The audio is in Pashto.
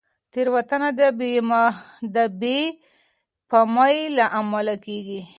تېروتنه د بې پامۍ له امله کېږي.